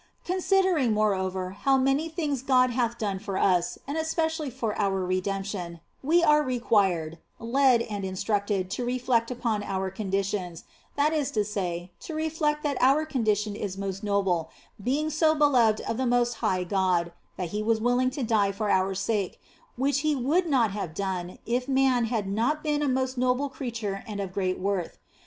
Considering, moreover, how many things God hath done for us (and especially for our redemption), we are required, led, and instructed to re flect upon our condition ; that is to say, to reflect that our condition is most noble, being so beloved of the most high God that He was willing to die for our sake, which He would not have done if man had not been a most noble creature and of great worth.